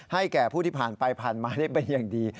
แก่ผู้ที่ผ่านไปผ่านมาได้เป็นอย่างดี